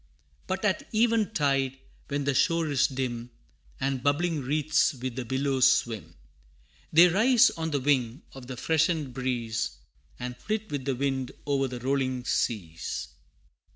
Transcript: But at even tide, when the shore is dim, And bubbling wreaths with the billows swim, They rise on the wing of the freshened breeze, And flit with the wind o'er the rolling seas.